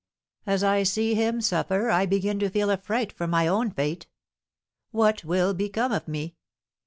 As I see him suffer I begin to feel affright for my own fate! What will become of me?